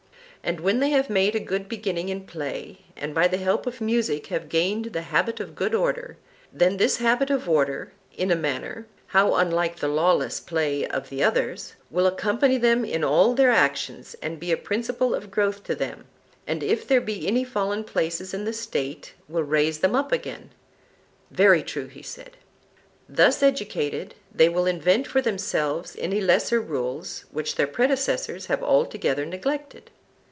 And when they have made a good beginning in play, and by the help of music have gained the habit of good order, then this habit of order, in a manner how unlike the lawless play of the others! will accompany them in all their actions and be a principle of growth to them, and if there be any fallen places in the State will raise them up again. Very true, he said. Thus educated, they will invent for themselves any lesser rules which their predecessors have altogether neglected.